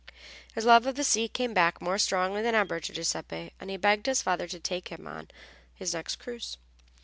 His old love of the sea came back more strongly than ever to Giuseppe, and he begged his father to take him with him on his next cruise.